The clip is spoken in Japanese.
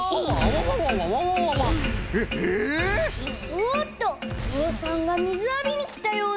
おおっとぞうさんがみずあびにきたようです！